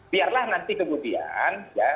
biarlah nanti kemudian ya